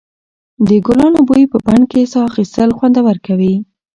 د ګلانو بوی په بڼ کې ساه اخیستل خوندور کوي.